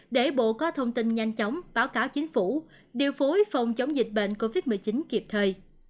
để bộ có thông tin nhanh chóng báo cáo chính phủ điều phối phòng chống dịch bệnh covid một mươi chín kịp thời